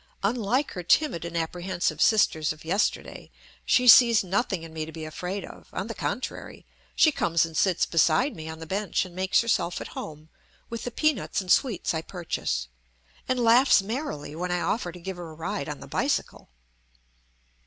Unlike her timid and apprehensive sisters of yesterday, she sees nothing in me to be afraid of; on the contrary, she comes and sits beside ine on the bench and makes herself at home with the peanuts and sweets I purchase, and laughs merrily when I offer to give her a ride on the bicycle.